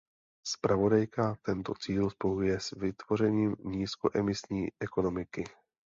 Zpravodajka tento cíl spojuje s vytvořením nízkoemisní ekonomiky.